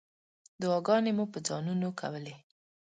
دعاګانې مو په ځانونو کولې.